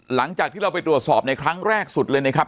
หลังจากที่เราไปตรวจสอบในครั้งแรกสุดเลยนะครับ